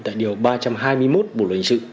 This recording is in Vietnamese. tại điều ba trăm hai mươi một bộ luật hình sự